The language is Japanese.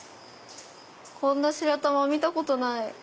こんな白玉見たことない。